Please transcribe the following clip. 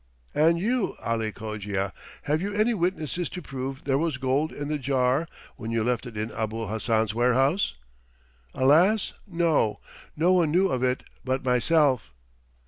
"And you, Ali Cogia; have you any witnesses to prove there was gold in the jar when you left it in Abul Hassan's warehouse?" "Alas! no; no one knew of it but myself."